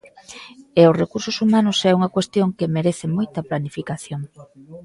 E os recursos humanos é unha cuestión que merece moita planificación.